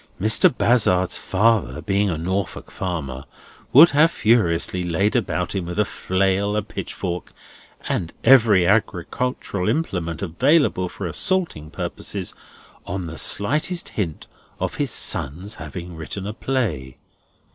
Mr. Bazzard's father, being a Norfolk farmer, would have furiously laid about him with a flail, a pitch fork, and every agricultural implement available for assaulting purposes, on the slightest hint of his son's having written a play.